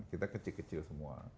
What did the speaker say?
kita kecil kecil semua